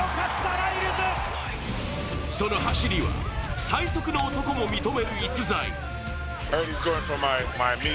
その走りは、最速の男も認める逸材。